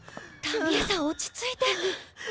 タミ江さん落ち着いて！！